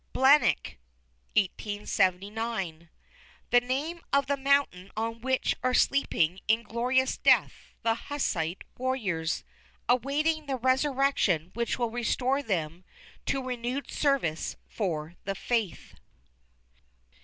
"BLANIK" The name of the mountain on which are sleeping in glorious death the Hussite warriors, awaiting the resurrection which will restore them to renewed service for the faith.